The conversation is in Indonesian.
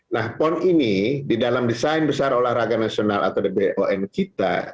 nah pon ini di dalam desain besar olahraga nasional atau dbon kita